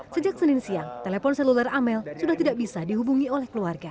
sejak senin siang telepon seluler amel sudah tidak bisa dihubungi oleh keluarga